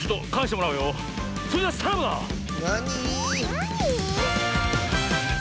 なに？